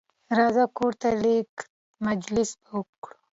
راځه کورته لېږ مجلس به وکړو